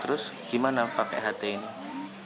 terus gimana pakai ht ini